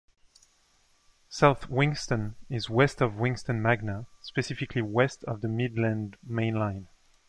South Wigston is west of Wigston Magna, specifically west of the Midland Main Line.